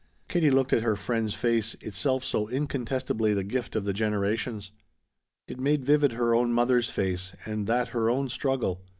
Katie looked at her friend's face, itself so incontestably the gift of the generations. It made vivid her own mother's face, and that her own struggle.